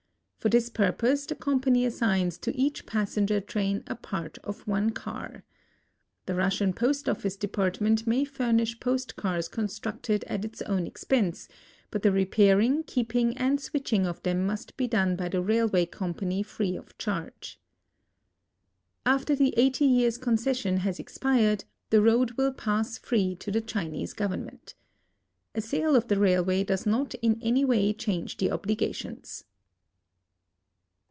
For this pur|)()se the com pany assigns to each passenger train a part of one car. The Russian post oflice department may furnisii jiost cars constructed at its own ex[)ense, but the repairing, keeping, and switching of them must be done by the railwa}'^ company free of charge. After the eighty years' concession has expired the road will i)ass free to the Chinese government. A sale of the railway does not in anyway change the obligations.